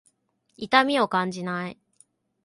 痛みを感じない。